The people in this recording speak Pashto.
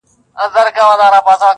چي په تیاره کي د سهار د راتلو زېری کوي,